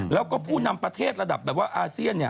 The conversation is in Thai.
แล้วก็ผู้นำประเทศระดับแบบว่าอาเซียน